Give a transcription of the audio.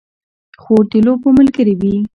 خور د لوبو ملګرې وي.